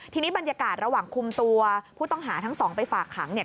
ทีนี้บรรยากาศระหว่างคุมตัวผู้ต้องหาทั้งสองไปฝากขังเนี่ย